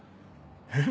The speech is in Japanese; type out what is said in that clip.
えっ？